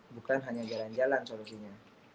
bukan hanya jalan jalan solusinya